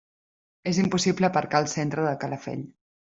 És impossible aparcar al centre de Calafell.